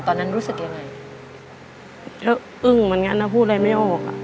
ตอนนั้นรู้สึกยังไงแล้วอึ้งเหมือนกันนะพูดอะไรไม่ออกอ่ะ